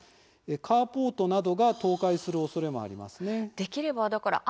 カーポートなどが倒壊するおそれもあります。